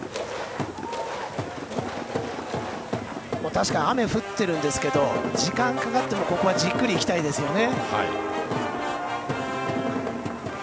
確かに雨、降ってるんですが時間かかっても、ここはじっくりいきたいですよね。